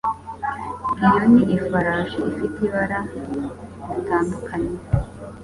Iyo ni ifarashi ifite ibara ritandukanye.